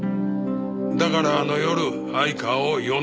だからあの夜相川を呼んだんです。